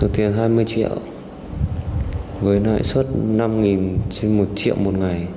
tiền hai mươi triệu với lãi suất năm trên một triệu một ngày